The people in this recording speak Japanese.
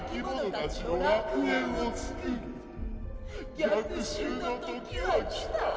逆襲の時は来た！